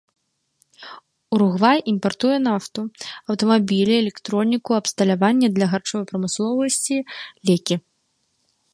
Уругвай імпартуе нафту, аўтамабілі, электроніку, абсталяванне для харчовай прамысловасці, лекі.